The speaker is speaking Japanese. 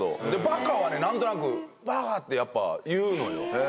「バカ」はね何となく「バカ」ってやっぱ言うのよ。